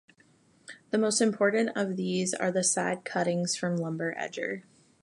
The most important of these are the side cuttings from lumber edger.